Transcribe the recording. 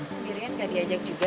ayo beritahu lagi